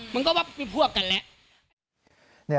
มันก็ว่ามีพวกกันแล้ว